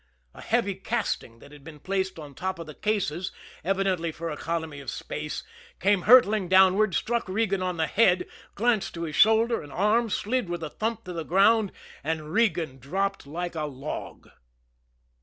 A heavy casting, that had been placed on top of the cases, evidently for economy of space, came hurtling downward, struck Regan on the head, glanced to his shoulder and arm, slid with a thump to the ground and Regan dropped like a log.